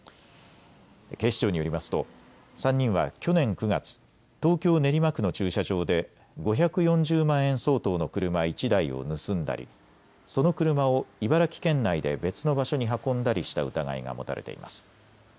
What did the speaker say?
警視庁によりますと３人は去年９月、東京練馬区の駐車場で５４０万円相当の車１台を盗んだりその車を茨城県内で別の場所に運んだりした疑いが持たれています。